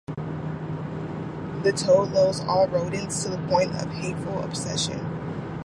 The Toad loathes all rodents to the point of hateful obsession.